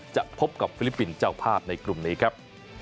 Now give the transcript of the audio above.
จะพบกับฟิลิปปินส์เจ้าภาพในกลุ่มนี้ครับ